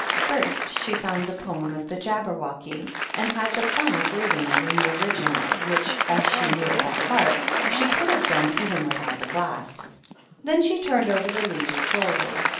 First she found the poem of the Johberwochy and had the fun of reading it in the original which, as she knew it by heart, she could hav done even without the glass. Then she turner over the leaves slowly.